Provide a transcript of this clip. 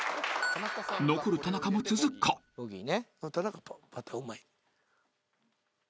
［残る田中も続くか］